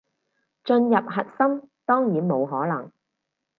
進入核心，當然冇可能